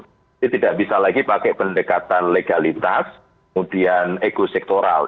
jadi tidak bisa lagi pakai pendekatan legalitas kemudian ekosektoral